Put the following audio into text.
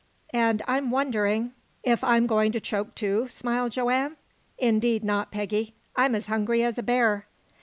And I'm wondering " "If I'm going to choke, too?" smiled Joanne. "Indeed not, Peggy. I'm as hungry as a bear!"